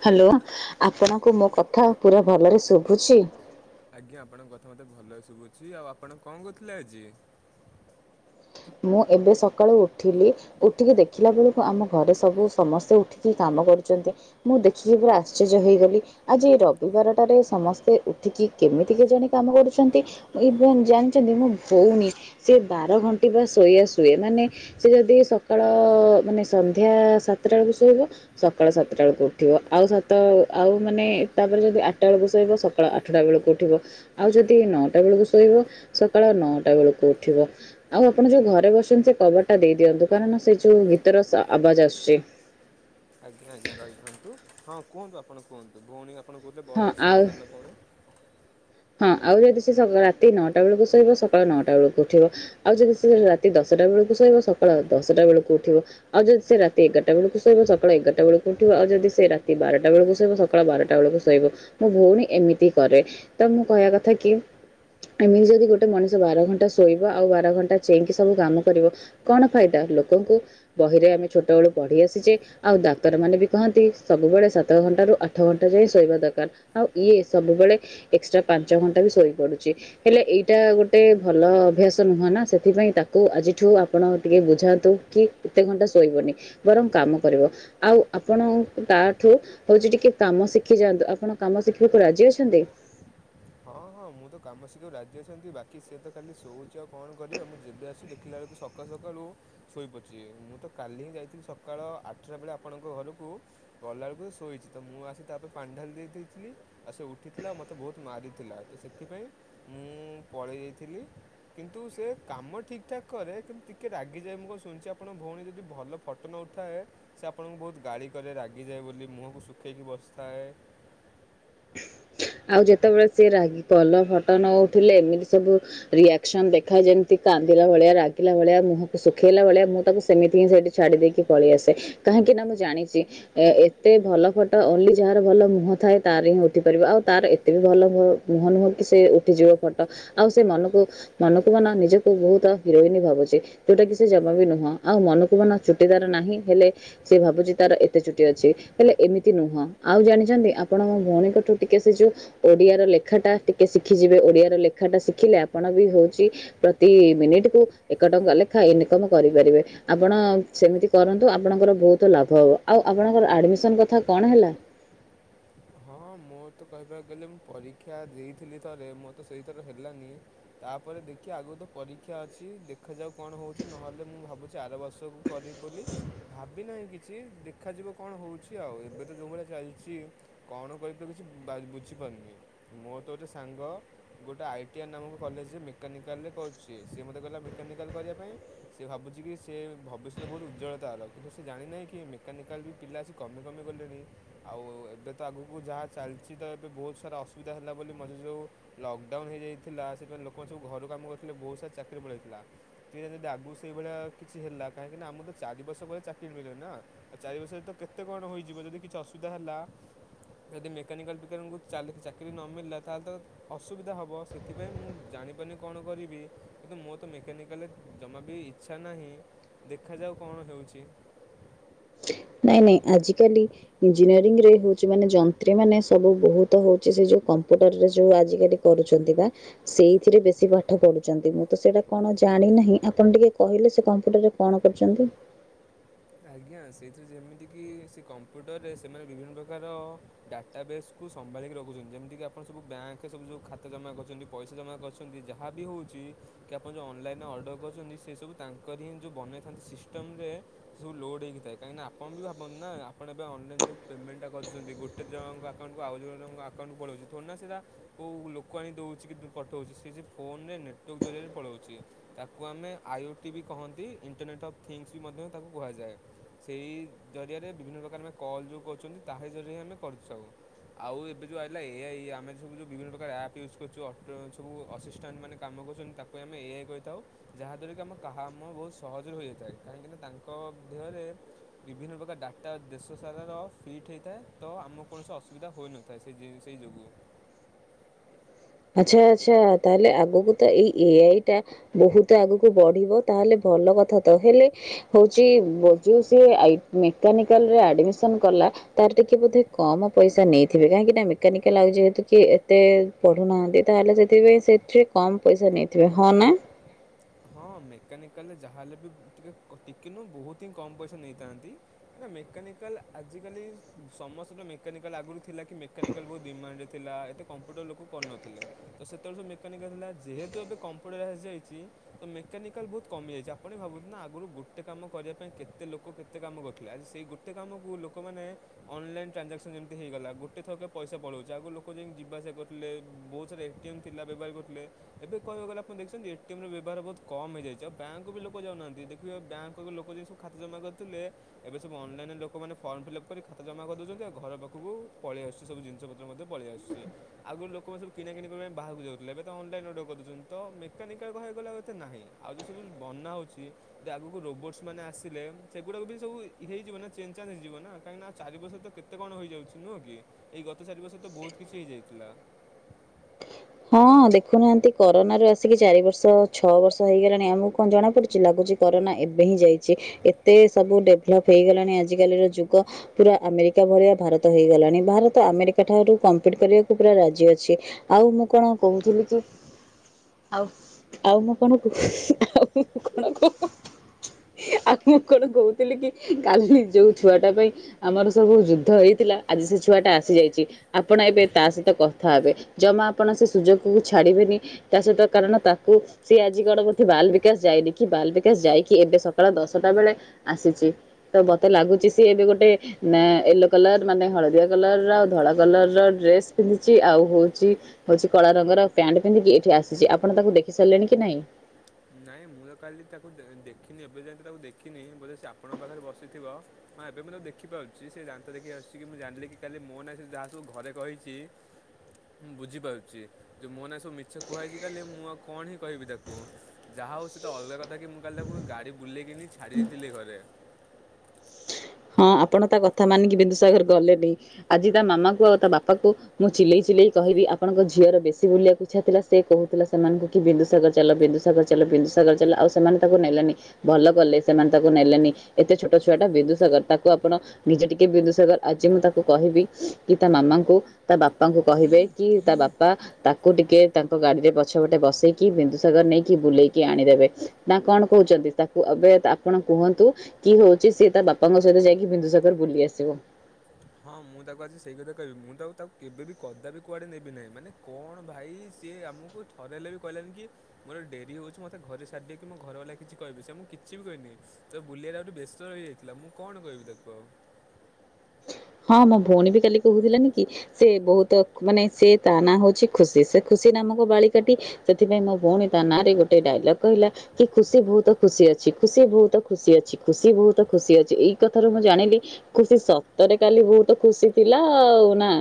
Hello ଆପଣଙ୍କୁ ମୋ କଥା ପୁରା ଭଲରେ ଶୁଭୁଛି? ଆଜ୍ଞା ଆପଣଙ୍କ କଥା ମତେ ଭଲ ଶୁଭୁଛି। ଆଉ ଆପଣ କଣ କରୁଥିଲେ ଆଜି? ମୁଁ ଏବେ ସକାଳୁ ଉଠିଲି। ଉଠିକି ଦେଖିଲା ବେଳକୁ ଆମ ଘରେ ସବୁ ସମସ୍ତେ ଉଠିକି କାମ କରୁଛନ୍ତି। ମୁଁ ଦେଖିକି ପୁରା ଆଶ୍ଚର୍ଯ୍ୟ ହେଇଗଲି। ଆଜି ରବିବାରଟାରେ ସମସ୍ତେ ଉଠିକି କେମିତି କେଜାଣି କାମ କରୁଛନ୍ତି? ଇଏ କଣ ଜାଣିଛନ୍ତି ମୋ ଭଉଣୀ ସେ ବାର ଘଣ୍ଟିକା ଶୋଇବା ଶୁଏ ମାନେ ସେ ଯଦି ସକାଳ ମାନେ ସନ୍ଧ୍ୟା ସାତଟା ବେଳକୁ ଶୋଇବ ସକାଳ ସାତଟା ବେଳକୁ ଉଠିବ ଆଉ ସାତ ଆଉ ମାନେ ତାପରେ ଯଦି ଆଠଟା ବେଳକୁ ସୋଇବ ସ ସକାଳ ଆଠଟା ବେଳକୁ ଉଠିବ ଆଉ ଯଦି ନଅଟା ବେଳକୁ ଶୋଇବ ସକାଳ ନଅଟା ବେଳକୁ ଉଠିବ। ଆଉ ଆପଣ ଯୋଉ ଘରେ ବସଛନ୍ତି ସେ କବାଟ ଟା ଦେଇ ଦିଅନ୍ତୁ କାରଣ ସେ ଯୋଉ ଗୀତର ଆବାଜ ଆସୁଛି। ଆଜ୍ଞା ଆଜ୍ଞା ରହିଥାନ୍ତୁ ହଁ କୁହନ୍ତୁ ଆପଣ କୁହନ୍ତୁ ଭଉଣୀ ଆପଣ କହୁଥିଲେ ହଁ ବଡ଼ ସା ଆଉ ସାନ ଭଉଣୀ। ହଁ ଆଉ ଯୋଦି ସେ ସ ରାତି ନଅଟା ବେଳକୁ ସୋଇବ ସକାଳୁ ନଅଟା ବେଳକୁ ଉଠିବ। ଆଉ ଯଦି ସିଏ ରାତି ଦଶଟା ବେଳକୁ ଶୋଇିବ ସକାଳ ଦଶଟା ବେଳକୁ ଉଠିବ। ଆଉ ଯଦି ସେ ରାତି ଏଗାରଟା ବେଳକୁ ସୋଇବ ସକାଳ ଏଗାରଟା ବେଳକୁ ଉଠିବ ଆଉ ଯଦି ସେ ରାତି ବାରଟା ବେଳେକୁ ସୋଇବ ସ ସକାଳ ବାରଟା ବେଳକୁ ଶୋଇବ, ମୋ ଭଉଣୀ ଏମିତି କରେ ତ ମୁଁ କହିବା କଥା କି ଏମିତି ଯଦି ଗୋଟେ ମଣିଷ ବାର ଘଣ୍ଟା ଶୋଇବ ଆଉ ବାର ଘଣ୍ଟା ଚେଇଁକି ସବୁ କାମ କରିବ। କଣ ଫାଇଦା ଲୋକଙ୍କୁ ବହିରେ ଆମେ ଛୋଟ ବେଳୁ ପଢି ଆସିଚେ ଆଉ ଡାକ୍ତରମାନେ ବି କହନ୍ତି ସବୁବେଳେ ସାତ ଘଣ୍ଟାରୁ ଆଠ ଘଣ୍ଟା ଯାଏଁ ଶୋଇବା ଦକାର୍। ଆଉ ଇଏ ସବୁବେଳେ ଏକ୍ସଟ୍ରା ପାଞ୍ଚ ଘଣ୍ଟା ବି ଶୋଇ ପଡୁଚି। ହେଲେ ଏଇଟା ଗୋଟେ ଭଲ ଅଭ୍ୟାସ ନୁହଁ ନା ସେଥିପାଇଁ ତାକୁ ଆଜିଠୁ ଆପଣ ଟିକେ ବୁଝାନ୍ତୁ। କି ଏତେ ଘଣ୍ଟା ଶୋଇବନି ବରଂ କାମ କରିବ ଆଉ ଆପଣ ତାଠୁ ହୋଉଚି ଟିକେ କାମ ଶିଖି ଯାଆନ୍ତୁ ଆପଣ କାମ ଶିଖିବାକୁ ରାଜି ଅଛନ୍ତି? ହଁ ହଁ ମୁଁ ତ କାମ ଶିଖିବାକୁ ରାଜି ଅଛନ୍ତି ବାକି ସିଏ ତ ଖାଲି ଶୋଉଛି ଆଉ କଣ କରିବା ମୁଁ ଯେବେ ଆସି ଦେଖିଲା ବେଳୁକୁ ସକାଳୁ ସକାଳୁ ଶୋଇପଛି ମୁଁ ତ କାଲି ହିଁ ଯାଇଥିଲି ସକାଳ ଆଠଟା ବେଳେ ଆପଣଙ୍କ ଘରୁକୁ। ଗଲା ବେଳୁକୁ ସେ ଶୋଇଚି ତ ମୁଁ ଆସି ତାଉପରେ ପାଣି ଢାଳି ଦେଇ ଦେଇେଥିଲି ଆଉ ସେ ଉଠିଥିଲାଉ ମତେ ବୋହୁ ତୁ ମାରିଥିଲା ତ ସେଥିପାଇଁ ମୁଁ ପଳେଇ ଯାଇଥିଲି। କିନ୍ତୁ ସେ କାମ ଠିକ୍ ଠାକ୍ କରେ କିନ୍ତୁ ଟିକେ ରାଗିଯାଏ ମୁଁ କଁ ଶୁଣିଚି ଆପଣ ଭୋଉଣୀ ଯଦି ଭଲ ଫ ଟ ନଉଠାଏ ସେ ଆପଣଙ୍କୁ ବୋହୁତ୍ ଗାଳି କରେ ରାଗିଯାଏ ବୋଲି ମୁହକୁ ଶୁଖେଇକି ବସିଥାଏ। ଆଉ ଯେତେବେଳେ ସିଏ ରାଗି ପଲ ଫଟ ନଉଠିଲେ ଏମିତି ସବୁ ରିଆକ୍ସନ୍ ଦେଖାଏ ଯେମିତି କାନ୍ଦିଲା ଭୋଳିଆ ରାଗିଲା ଭୋଳିଆ ମୁହଁକୁ ଶୁଖେଇଲା ଭୋଳିଆ ମୁଁ ତାକୁ ସେମିତି ହିଁ ସେଠି ଛାଡି ଦେଇକି ପଳେଇ ଆସେ କାହିଁକି ନା ମୁଁ ଜାଣିଚି। ଏ ଏତେ ଭଲ ଫଟୋ ଓନ୍ଲି ଯାହାର ଭଲ ମୁହଁ ଥାଏ ତାର ହିଁ ଉଠି ପାରିବ ଆଉ ତାର ଏତେ ବି ଭଲ ମୁହଁ ନୁହଁ କି ସେ ଉଠିଯିବ ଫଟୋ ଆଉ ସେ ମନୁକୁ ମନକୁ ମନ ନିଜକୁ ବୋହୁତ ହିରୋଇନି ଭାବୁଚି। ଯୋଉଟା କି ସେ ଜମା ବି ନୁହଁ ଆଉ ମନକୁ ମନ ଚୁଟିଦାର ନାହିଁ ହେଲେ ସେ ଭାବୁଚି ତାର ଏତେ ଚୁଟି ଅଛି ହେଲେ ଏମିତି ନୁହଁ ଆଉ ଜାଣିଛନ୍ତି ଆପଣଙ୍କ ଭୋଉଣିଙ୍କଠୁ ଟି କେ ସେଇ ଯୋଉ ଓଡିଆର ଲେଖା ଟା ଟିକେ ଶିଖିଯିବେ ଓଡିଆର ଲେଖାଟା ଶିଖିଲେ ଆପଣ ବି ହୋଉଚି ପ୍ରତି ମିନିଟ୍ କୁ ଏକ ଟଙ୍କା ଲେଖା ଇନିକମ୍ କରିପାରିବେ। ଆପଣ ସେମିତି କରନ୍ତୁ ଆପଣଙ୍କର ବୋହୁତ ଲାଭ ହବ, ଆଉ ଆପଣଙ୍କର ଆଡ଼ମିସନ୍ କଥା କଣ ହେଲା? ହଁ ମୁଁ ତ କହିବାକୁ ଗଲେ ମୁଁ ପରୀକ୍ଷା ଦେଇଥିଲି ଥରେ ମୋ ତ ସେଇଥର ହେଲାନି। ତାପରେ ଦେଖିଆ ଆଗକୁ ତ ପରୀକ୍ଷା ଅଛି ଦେଖାଯାଉ କଣ ହୋଉଛି ନହେଲେ ମୁଁ ଭାବୁଛି ଆର ବର୍ଷକୁ କରିିବ ବୋଲି ଭାବିନାହିଁ କିଛି ଦେଖାଯିବ କଣ ହେଉଛି ଆଉ ଏବେ ତ ଯେଉଁ ଭଳିଆ ଚାଲିଚି। କଣ କରିବି ତ କିଛି ବୁଝିପାରୁନି ମୋ ତ ଗୋଟେ ସାଙ୍ଗ ଗୋଟେ ଆଇଟିଆର୍ ନାମକ କଲେଜ ମେକାନିକାଲରେ କରୁଛି ସିଏ ମତେ କହିଲା ମେକାନିକାଲ୍ କରିବା ପାଇଁ। ସେ ଭାବୁଛି କି ସେ ଭବିଷ୍ୟତ ବୋହୁତୁ ଉଜ୍ଜ୍ୱଳ ତାର ହେଲା କିନ୍ତୁ ସେ ଜାଣିନାହିଁ କି ମେକାନିକାଲ ବି ପିଲା ଚି କମି କମି ଗଲେଣି ଆଉ ଏବେ ତ ଆଗକୁ ଯାହା ଚାଲିଚି ତ ଏବେ ବୋହୁତ୍ ସାରା ଅସୁବିଧା ହେଲା ବୋଲି ମଝିରେ ଯୋଉ ଲକ୍ଡାଉନ୍ ହେଇଯାଇଥିଲା ସେଥିପାଇଁ ଲୋକମାନେ ସବୁ ଘରୁ କାମ କରିୁଥିଲେ ବୋହୁତ୍ ସାରା ଚାକିରି ପଳେଇଥିଲା। କିରେ ଯୋଦି ଆଗକୁ ସେଇ ଭଳିଆ କିଛି ହେଲା କାହିଁକି ନା ଆମ ତ ଚାରି ବର୍ଷ ପରେ ଚାକିରି ମିଳିବ ନା। ଆଉ ଚାରି ବର୍ଷରେ ତ କେତେ କଣ ହୋଇଯିବ ଯଦି କିଛି ଅସୁବିଧା ହେଲା ଯଦି ମେକାନିକାଲ୍ ବିକାରାଉଁ ଚାଲି ଚାକିରି ନ ମିଳିଲା ତାହେଲେ ତ ଅସୁବିଧା ହବ ସେଥିପାଇଁ ମୁଁ ଜାଣିପାରୁିନି କଣ କରିବି କିନ୍ତୁ ମୋ ତ ମେକାନିକାଲ୍ ରେ ଜମା ବି ଇଚ୍ଛା ନାହିଁ ଦେଖାଯାଉ କଣ ହେଉଛି। ନାଇଁ ନାଇଁ ଆଜିକାଲି ଇଞ୍ଜିନିୟରିଂ ରେ ହୋଉଛି ମାନେ ଯନ୍ତ୍ରୀ ମାନେ ସବୁ ବୋହୁତ ହୋଉଛି ସେ ଯୋଉ କମ୍ପୁଟରରେ ଯୋଉ ଆଜିକାଲି କରୁଛନ୍ତି ପା। ସେଇଥିରେ ବେଶୀ ପାଠ ପଢୁଛନ୍ତି ମୁଁ ତ ସେଇଟା କଣ ଜାଣିନାହିଁ ଆପଣ ଟିକେ କହିଲେ ସେ କମ୍ପ୍ୟୁଟର୍ ରେ। କଣ କରୁଚନ୍ତି? ଆଜ୍ଞା ସେଇଥିରୁ ଯେମିତିକି ସେ କମ୍ପ୍ୟୁଟର୍ ରେ ସେମାନେ ବିଭିନ୍ନ ପ୍ରକାର ଡାଟାବେସ୍ କୁ ସମ୍ଭାଳିକି ରଖୁଛନ୍ତି ଯେମିତିକି ଆପଣ ସବୁ ବ୍ୟାଙ୍କେ ସବୁ ଯୋଉ ଖାତା ଜମା କରିଛନ୍ତି ପଇସା ଜମା କ କିନ୍ତୁ ଯାହା ବିି ହୋଉଛି କି ଆପଣ ଯୋଉ ଅନଲାଇନ୍ ରେ ଅର୍ଡର କରୁଛନ୍ତି ସେସବୁ ତାଙ୍କର ହିଁ ଯେଉଁ ବନେଇଥାନ୍ତି ସିଷ୍ ଟମ୍ ରେ ସବୁ ଲୋଡ୍ ହେଇକି ଥାଏ କାହିଁକି ଆପଣ ଭାବନ୍ତି ନା ଆପଣ ଏ ଅ ଅନଲାଇନ ଯୋଉ ପେମେଣ୍ଟ କରି ଦୋଉଛନ୍ତି ଗୋ କେତେ ଜଣଙ୍କ ଆକାଉଣ୍ଟକୁ ଆଉ ଜଣଙ୍କ ଆକାଉଣ୍ଟ୍ କୁ ପଳଉଛି ଫୋନ୍ ନା ସିଧା କୋଉ ଲୋକ ଆଣି ଦୋଉଛି କିନ୍ତୁ ପଠଉଛି ସିଏ ଯେ ଫୋନରେ ନେଟୱାର୍କ ଜରିଆରେ ପଳଉଛି। ତାକୁ ଆମେ ଆଇ ଓ ଟି ବି କହନ୍ତି ଇଣ୍ଟରନେଟ୍ ଅଫ୍ ଥିଙ୍ଗସ୍ ବି ମଧ୍ୟ ତାକୁ କୁହାଯାଏ। ସେଇ ଜରିଆରେ ବିଭିନ୍ନ ପ୍ରକାର ଆମେ କଲ୍ ଯୋଉ କରୁଛନ୍ତି ତାହାରି ଜରିଆରେ ଆମେ କରୁଥାଉ। ଆଉ ଏବେ ଯୋଉ ଅଇଲା ଏ ଆଇ ଆମେ ସବୁ ଯୋଉ ବିଭିନ୍ନ ପ୍ରକାର ଆପ୍ ଇଉଜ୍ କରୁଛୁ ଅଟୋ ସବୁ ଅସିସ୍ଟାଣ୍ଡ୍ ମାନେ କାମ କରୁଛନ୍ତି ତାକୁ ଆମେ ଏଆଇ କହିଥାଉ ଯାହା ଦ୍ୱାରା କି ଆମ କାହା ମ ବୋହୁତ ସହଜରେ ହୋଇଯାଇଥାଏ କାହିଁକିନା ତାଙ୍କ କ ଧ୍ୟରେ ବିଭିନ୍ନ ପ୍ରକାର ଡାଟା ଦେଶ ସାରାର ଫିଟ୍ ହେଇଥାଏ ତ ଆମ କୌଣସି ଅସୁବିଧା ହୋଇ ନ ତ ସେ ଜି ସେଇ ଯୋଗୁଁ। ଆଚ୍ଛା ଆଚ୍ଛା ତାହେଲେ ଆଗକୁ ତ ଏଇ ଏ ଆଇ ଟା ବୋହୁତ ଆଗକୁ ବଢ଼ିବ ତାହେଲେ ଭଲ କଥା ତ ହେଲେ ହୋଉଛି ବ ଯଉ ସେ ଆଇ ମେକାନିକାଲରେ ଆଡମିସନ କଲା। ତାର ଟିକେ ବୋଧେ କମ ପଇସା ନେଇଥିବେ କାହିଁକି ନା ମେକାନିକାଲ ଆଉ ଯେହେତୁ କି ଏତେ ପ ଢୁନାହାନ୍ତି ତାହେଲେ ସେଥିପାଇଁ ସେଥିରେ କମ ପଇସା ନେଇଥିବେ ହଁ ନା? ହଁ ମେକାନିକାଲ ଯାହାହେଲେ ବି ଟିକେ ‌କ ଟିକେ ନୁହଁ ବୋହୁତ ହିଁ କମ୍ ପଇସା ନେଇଥାନ୍ତି। ନା ମେକାନିକାଲ ଆଜିକାଲି ଉଁ ସମସ୍ତିଙ୍କ ମେକାନିକାଲ ଆଗରୁ ଥିଲା କି ମେକାନିକାଲ ବୋହୁତ ଡିମାଣ୍ଡ ରେ ଥିଲା ଏତେ କମ୍ପ୍ୟୁଟର ଲୋକ କରିୁନଥିଲେ ତ ସେତେବେଳେ ସବୁ ମେକାନିକାଲ ଥିଲା ଯେହେତୁ ଏବେ କମ୍ପୁଟର ଆସିଯାଇଛି ତ ମେକାନିକାଲ ବୋହୁତ କମିଯାଇଛି ଆପଣ ବି ଭାବନ୍ତୁ ନା ଆଗରୁ ଗୋଟେ କାମ କରିବା ପାଇଁ କେତେ ଲୋକ କେତେ କାମ କରୁଥିଲେ ଆଜି ସେଇ ଗୋ ଟେ କାମକୁ ଲୋକମାନେ ଅନଲାଇନ୍ ଟ୍ରାଞାକ୍ସନ୍ ଯେମିତି ହେଇଗଲା ଗୋଟେ ଥରକେ ପଇସା ପଳଉଛି। ଆଗରୁ ଲୋକ ଯାଇକ ଯିବାସିବା କରୁଥିଲେ ବୋହୁତ ସାରା ଏ ଟି ଏମ୍ ପିଲା ବ୍ୟବହାର କରୁଥିଲେ। ଏବେ କହିବାକୁ ଗଲେ ଆପଣ ଦେଖିଛନ୍ତି ଏ ଟି ଏମ୍ ବ୍ୟ ବହାର ବୋହୁତ୍ କମ୍ ହେଇଯାଇଛି। ଆଉ ବ୍ୟାଙ୍କକୁ ବି ଲୋକ ଯାଉନାହାନ୍ତି। ଦେଖିବେ ବ୍ୟାଙ୍କକୁ ଲୋକ ଯାଇ ସବୁ ଖାତା ଜମା କରୁଥିଲେ ଏବେ ସବୁ ଅନଲାଇନ ରେ ଲୋକମାନେେ ଫର୍ମ ଫିଲ୍ ଅପ କରି ଖାତା ଜମା କରି ଦଉଛନ୍ତି ଆଉ ଘର ପାଖକୁ ପଳେଇ ଆସୁଛି ସବୁ ଜିନିଷ ପ ସ ମଧ୍ୟ ପଳେଇ ଆସୁଛି। ଆଗରୁ ଲୋକମାନେ ସବୁ କିଣା କିିଣି କରିବା ପାଇଁ ବାହାରକୁ ଯାଉଥିଲେ ଏବେ ତ ଅନଲାଇନ୍ ଅର୍ଡର କରି ଦୋଉଛନ୍ତି ତ ମେକାନିକାଲ କହିବାକୁ ଗଲେ ଆଉ ଏ ତେ ନାହିଁ ଆଉ ଯୋଉ ସବୁ ଉଁ ବନା ହୋଉଛି। ତ ଆଗକୁ ରୋବର୍ଟସ୍ ମାନେ ଆସିଲେ ଉମ୍ ସେଗୁଡ଼ାକ ବି ସବୁ ଇ ହେଇଯିବ ନା ଚେଞ୍ଜ୍ ଚାଞ୍ଜ୍ ହେଇଯିବ ନା। କାହିଁକିନା ଚାରି ବର୍ଷରେ ତ କେତେ କଣ ହୋଇଯାଉଛି ନୁହଁ କି ଏଇ ଗତ ଚାରି ବର୍ଷରେ ତ ବୋହୁତ କିଛି ହେଇଯାଇଥିଲା। ହଁ ଦେଖୁନାହାନ୍ତି କରୋନାରୁ ଆସିକି ଚାରି ବର୍ଷ ଛଅ ବର୍ଷ ହେଇଗଲାଣି ଆମକୁ କଣ ଜଣା ପଡୁଛି। ଲାଗୁଛି କରୋନା ଏବେ ହିଁ ଯାଇଛି ଏତେ ସବୁ ଡେଭଲପ୍ ହେଇଗଲାଣି ଆଜିକାଲିର ଯୁଗ ପୁରା ଆମେରିକା ଭଳିଆ ଭାରତ ହେଇଗଲାଣି ଭାରତ ଆମେରିକା ଠାରୁ କମ୍ପିଟ୍ କରିବାକୁ ପୁରା ରାଜି ଅଛି। ଆଉ ମୁଁ କଣ କହୁଥିଲି କି ଆଉ ଆଉ ମୁଁ କଣ କଃ ଆଉ ମୁଁ କଣ କହୁ ଆଉ ମୁଁ କଣ କହୁଥିଲି କି କାଲି ଯୋଉ ଛୁଆ ଟା ପାଇଁ ଆମର ସବୁ ଯୁଦ୍ଧ ହେଇଥିଲା ଆଜି ସେ ଛୁଆ ଟା ଆସିଯାଇଛି। ଆପଣ ଏବେ ତା ସହିତ କଥା ହେବେ। ଜମା ଆପଣ ସେ ସୁଯୋଗକୁ ଛାଡିବେନି। ତା ସହିତ କାରଣ ତାକୁ ସିଏ ଆଜି କଣ ଗୋଠି ବାଲ୍ ବିକାଶ ଯାଇନି କି ବାଲ୍ ବିକାଶ ଯାଇକି ଏବେ ସକାଳ ଦଶଟା ବେଳେ ଆସିଛି। ତ ବତେ ଲାଗୁଛି ସିଏ ଏବେ ଗୋଟେ ନା ୟେଲୋ କଲର ମାନେ ହଳଦିଆ କଲର ଆଉ ଧଳା କଲର ର ଡ୍ରେସ ପିନ୍ଧିଛି। ଆଉ ହୋଉଛି ହଉଛି କଳା ରଙ୍ଗର ପ୍ୟାଣ୍ଟ ପିନ୍ଧିକି ଏଠି ଆସିଛି ଆପଣ ତାଙ୍କୁ ଦେଖି ସାରିଲେଣି କି ନାଇଁ? ନାଇଁ ମୁଁ ତ କାଲି ତାକୁ ଦେ ଦେଖିନି ଏବେ ଯାଏ ତ ତାକୁ ଦେଖିନି ବୋଧେ ସେ ଆପଣଙ୍କ ପାଖରେ ବସିଥିବ। ହଁ ଏବେ ମୁଁ ତାକୁ ଦେଖିପାରୁଛି ସେ ଦାନ୍ତ ଦେଖେଇକି ହସୁଛି କି ମୁଁ ଜାଣିଲି କି କାଲି ମୋ ନାଁ ରେ ସେ ଯାହା ସବୁ ଘରେ କହିଛି ମୁଁ ବୁଝିପାରୁଛି ଯେ ମୋ ନାଁରେ ସବୁ ମିଛ କୁହାଯାଇଛି କାଲି ମୁଁ ଆଉ କଣ ହି କହିବି ତାକୁ। ଯାହା ହୋଉ ସେ ତ ଅଲଗା କଥା କି ମୁଁ କାଲି ତାକୁ ଗାଡ଼ି ବୁଲେଇକି ନେଇ ଛାଡ଼ି ଦେଇଥିଲି ଘରେ। ହଁ ଆପଣ ତା କଥା ମାନିକି ବିନ୍ଦୁସାଗର ଗଲେନି ଆଜି ତା ମାମା କୁ ଆଉ ତା ବାପା କୁ ମୁଁ ଚିଲେଇ ଚିଲେଇ କହିବି ଆପଣଙ୍କ ଝିଅର ବେଶୀ ବୁଲିବାକୁ୍ ଇଛାଥିଲା। ସେ କହୁଥିଲା ସେମାନଙ୍କୁ କି ବିନ୍ଦୁସାଗର ଚାଲ ବିନ୍ଦୁସାଗର ଚାଲ ବିନ୍ଦୁସାଗର ଚାଲ ଆଉ ସେମାନେ ତାକୁ ନେଲେନି। ଭଲ କଲେ ସେମାନେ ତାକୁ ନେଲେନି ଏତେ ଛୋଟ ଛୁଆ ଟା ବିଦୁସାଗର ତାକୁ ଆପଣ ନିଜେ ଟିକେ ବିନ୍ଦୁସାଗର ଆଜି ମୁଁ ତାକୁ କହିବି କି ତା ମାମାଙ୍କୁ ତା ବାପାଙ୍କୁ କହିବେ କି ତା ବାପା ତାକୁ ଟିକେ ତାଙ୍କ ଗାଡିରେ ପଛପଟେ ବସେଇକି ବିନ୍ଦୁସାଗର ନେଇକି ବୁଲେଇକି ଆଣିଦେବେ ନା କଣ କହୁଛନ୍ତି। ତାକୁ ଏବେ ଆପଣ କୁହନ୍ତୁ କି ହଉଛି ସିଏ ତା ବାପାଙ୍କ ସହିତ ଯାଇକି ବିନ୍ଦୁସାଗର ବୁଲି ଆସିବ। ହଁ ମୁଁ ତାକୁ ଆଜି ସେଇ କଥା କହିବି ମୁଁ ତ ତାକୁ କେବେ ବିି କଦା ବିି କୁଆଡେ ନବି ନାହିଁ। ମାନେ କଣ ଭାଇ ସିଏ ଆମକୁ ଥରେ ହେଲେ ବି କହିଲାନି କି ମୋର ଡେରି ହଉଛି ମୋତେ ଘରେ ସଛାରି କି ମୋ ଘର ବାଲା କିଛି କହିବି ସେ ମୁଁ କିଛି ବି କହିନି। ତ ବୁଲେଇଟ ଆଉଠୁ ବ୍ୟସ୍ତ ରହିଯାଇଥିଲା ମୁଁ କଣ କହିବି ତାକୁ ଆଉ। ହଁ ମୋ ଭଉଣୀ ବି କାଲି କହୁଥିଲାନିକି ସେ ବହୁତ ମାନେ ସେ ତା ନାଁ ହଉଛି ଖୁସି ସେ ଖୁସି ନାମକ ବାଳିକା ଟି ସେଥିପାଇଁ ମୋ ଭଉଣୀ ତା ନାଁ ରେ ଗୋଟେ ଡାଇଲଗ କହିଲା କି ଖୁସି ବହୁତ ଖୁସି ଅଛି ଖୁସି ବହୁତ ଖୁସି ଅଛି ଖୁସି ବହୁତ ଖୁସି ଅଛି ଏଇ କଥାରୁ ମୁଁ ଜାଣିଲି ଖୁସି ସତରେ କାଲି ବହୁତ ଖୁସି ଥିଲା ଆଉ ନା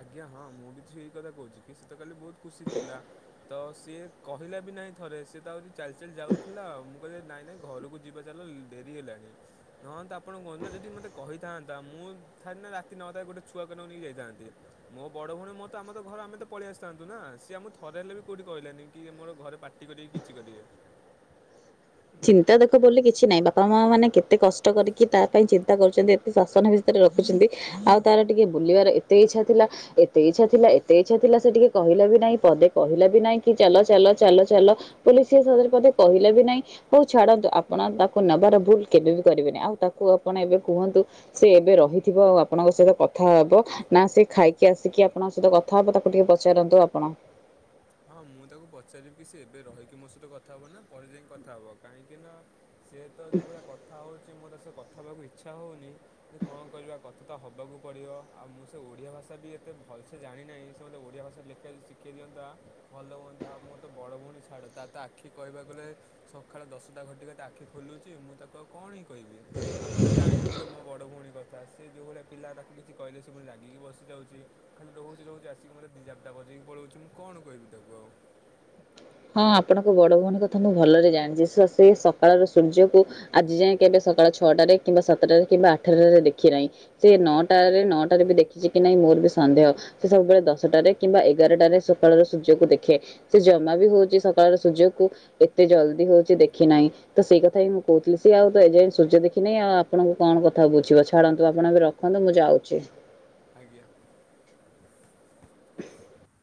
ଆଜ୍ଞା ହଁ ମୁଁ ବି ତ ସେଇ କଥା କହୁଛି କି ସେ ତ କାଲି ବହୁତ ଖୁସି ଥିଲା ତ ସିଏ କହିଲା ବି ନାହିଁ ଥରେ ସେ ତ ଆଉରି ଚାଲି ଚାଲି ଯାଉଥିଲା ଆଉ ମୁଁ ନାଇଁ ନାଇଁ ଘରକୁ ଯିବା ଚାଲ ଡେରି ହେଲାଣି ନହ ତ ଆପଣ କହନ୍ତୁ ନା ଯଦି ମତେ କହି ଥାନ୍ତା ମୁଁ ଥରେି ନା ରାତି ନଅଟାରେ ଗୋଟେ ଛୁଆ କ ନକୁ ନେଇି ଯାଇଥାନ୍ତି। ମୋ ବଡ ଭଉଣୀ ମତ ତ ଆମର ଘର ଆମ ତ ପଳଆ ଆସିଥାନ୍ତୁ ନା ସିଏମ ଥରେ ହେଲେ ବି କୋଉଠି କହିଲାନି କି ମୋର ଘରେ ପା କଟି କରିକି କିଛି କରିବେ। ଚିନ୍ତା ଦେଖ ବ କିଛି ନାହିଁ ବାପା ମା ମାନେ କେତେ କଷ୍ଟ କରିକି ତା ପାଇଁ ଚିନ୍ତା କରୁଛନ୍ତି। ଏ ଶାସନ ଭିତରେ ରଖୁଛନ୍ତି ଆଉ ତାର ଟିକେ ବୁଲିବାର ଏତେ ଇଚ୍ଛା ଥିଲା। ଏତେ ଇଚ୍ଛା ଥିଲା ଏତେ ଇଚ୍ଛା ଥିଲା ସେ ଟିକେ କହିଲା ବି ନାହିଁ ପଦେ କହିଲା ବି ନାହିଁ କି ଚାଲ ଚାଲ ଚାଲ ଚାଲ ପୋଲିସ ସିଏ ସଦରେ ପଧେ କହିଲେ ବି ନାଇଁ ହଉ ଛାଡନ୍ତୁ ଆପଣ ତାକୁ ନେବାର ଭୁଲ କେବେ ବି କରିବେନି ଆଉ ତାକୁ ଆପଣ ଏବେ କୁହନ୍ତୁ। ସେ ଏବେ ରହିଥିବ ଆଉ ଆପଣଙ୍କ ସହିତ କଥା ହବ। ନା ସେ ଖାଇକି ଆସିକି ଆପଣଙ୍କ ସହିତ କଥା ହବ ତାକୁ ଟିକେ ପଚାରନ୍ତୁ ଆପଣ ହଁ ମୁଁ ତାକୁ ପଚାରିବି ସେ ଏବେ ରହିକି ମୋ ସହିତ କଥା ହବ ନା ପରେ ଯାଇକି କଥା ହବ କାହିଁକି ନା ସେ ତ ଯେଉଁଭଳିଆ କଥା ହେଉଛି ମୁଁ ତା ସ କଥା ହେବାକୁ ଇଚ୍ଛା ହେଉନି। ସେ କଣ କରିବା କଥା ତ ହେବାକୁ ପଡ଼ିବ ଆଉ ମୁଁ ସେ ଓଡ଼ିଆ ଭାଷା ବି ଏତେ ଭଲସେ ଜାଣିନାହିଁ ସେ ମୋତେ ଓଡ଼ିଆ ଭାଷା ଲେଖ ଶ ଶିଖେଇ ଦିଅନ୍ତା ଭଲ ହୁଅନ୍ତା ଆଉ ମୋର ତ ବଡ଼ ଭଉଣୀ ଛାଡ଼ ତାର ତ ଆଖି କହିବାକୁ ଗଲେ। ସକାଳ ଦଶଟା ଘଟିକେ ଆଖି ଖୋଲୁଛି ମୁଁ ତାକୁ ଆଉ କଣ ହିଁ କହିବି ଆପଣ ତ ଜାଣି ସେଥିବେ ମୋ ବଡ଼ ଭଉଣୀ କଥା ସିଏ ଯେଉଁଭଳିଆ ପିଲା ତାକୁ କିଛି କହିଲେ ସେଭଳି ଲାଗିକି ବସିଯାଉଛି। ଖାଲି ରହୁଛିରହୁଛି ଆସିକି ମତେ ଦି ଜାବଡା ବଜେଇି ପଳଉଛି ମୁ କଣ କହିବି ତାକୁ ଆଉ। ହଁ ଆପଣଙ୍କ ବଡ ଭଉଣୀ କଥା ମୁଁ ଭଲରେ ଜାଣିଛି ସେ ସକାଳର ସୂର୍ଯ୍ୟକୁ ଆଜି ଯାଏଁ କେବେ ସକାଳ ଛଅଟାରେ କିମ୍ବା ସାତଟାରେ କିମ୍ବା ଆଠଟାରେ ଦେଖିନାହିଁ। ସେ ନଅଟାରେ ନଅଟାରେ ବି ଦେଖିଛି କି ନାଇଁ ମୋର ବି ସନ୍ଦେହ ସେ ସବୁବେଳେ ଦଶଟାରେ କିମ୍ବା ଏଗାରଟାରେ ସକାଳର ସୂର୍ଯ୍ୟକୁ ଦେଖେ ସେ ଜମା ବି ହଉଛି ସକାଳର ସୁଯୋଗ କୁ ଏତେ ଜଲଦି ହଉଛି ଦେଖି ନାହିଁ। ତ ସେଇ କଥା ହିଁ ମୁଁ କହୁଥିଲି ସ ଆଉ ତ ଏଯାଇ ସୂର୍ଯ୍ୟ ଦେଖିନିଁ ଆଉ ଆପଣଙ୍କୁ କଣ କଥା ବୁଝିବ ଛାଡନ୍ତୁ ଆପଣ ଏବେ ରଖ କୁହନ୍ତୁ ମୁଁ ଯାଉଛି। ଆଜ୍ଞା।